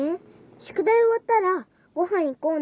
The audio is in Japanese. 宿題終わったらご飯行こうね。